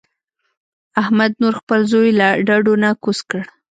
احمد نور خپل زوی له ډډو نه کوز کړ.